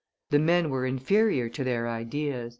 "The men were inferior to their ideas."